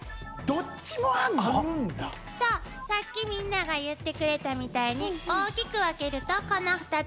さっきみんなが言ってくれたみたいに大きく分けるとこの２つ。